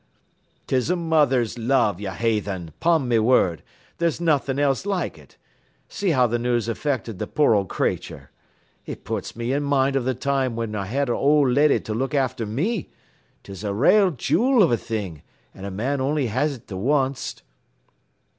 "''Tis a mother's love, ye haythen; 'pon me whurd, there's nothin' else like it. See how th' news affected th' poor old crayther. It puts me in mind av the time whin I had an old leddy t' look after me. 'Tis a rale jewil av a thing, an' a man only has it th' onct.'